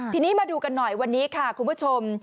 ทีนี้มาดูกันหน่อยวันนี้ค่ะคุณผู้ชม